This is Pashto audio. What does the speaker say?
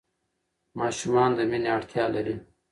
ماشومان د مینې اړتیا لري.